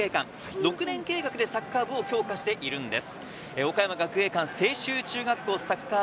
６年計画でサッカー部を強化しているんです。